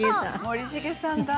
「森繁さんだ」